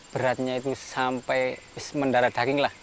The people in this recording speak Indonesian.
beratnya itu sampai mendara daging lah